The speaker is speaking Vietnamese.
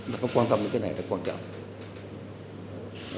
nó có quan tâm đến cái này thật quan trọng